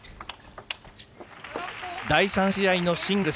第３試合のシングルス。